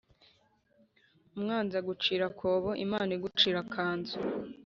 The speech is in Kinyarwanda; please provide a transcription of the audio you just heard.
umwanzi agucira akobo imana igucira akanzu.